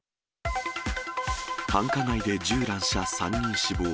繁華街で銃乱射、３人死亡。